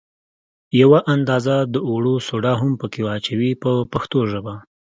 یوه اندازه د اوړو سوډا هم په کې اچوي په پښتو ژبه.